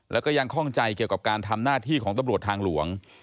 แล้วก็ยังข้องใจเกี่ยวกับการทำหน้าที่ของตำรวจทางหลวง